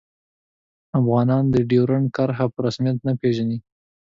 افغانان د ډیورنډ کرښه په رسمیت نه پيژني